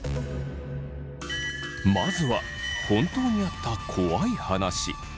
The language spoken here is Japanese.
まずは本当にあった怖い話。